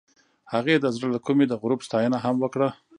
هغې د زړه له کومې د غروب ستاینه هم وکړه.